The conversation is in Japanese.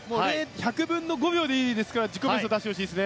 １００分の５秒でいいので自己ベストを出してほしいです